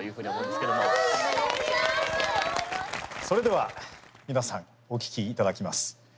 それでは皆さんお聴き頂きます。